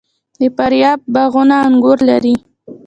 د فاریاب باغونه انګور لري.